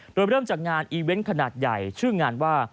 โดยเริ่มจากงานอีเวนต์ขนาดใหญ่ชื่องานว่า